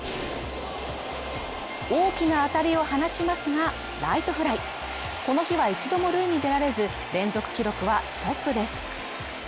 大きな当たりを放ちますが、ライトフライこの日は一度も塁に出られず、連続記録はストップです。